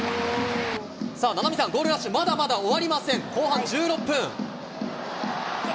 さあ、菜波さん、ゴールラッシュ、まだまだ終わりません、後半１６分。